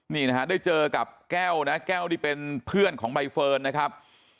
นี่นะฮะได้เจอกับแก้วนะแก้วนี่เป็นเพื่อนของใบเฟิร์นนะครับ